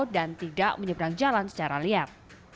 dan tidak menyeberang jalan secara liar